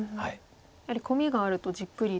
やはりコミがあるとじっくり。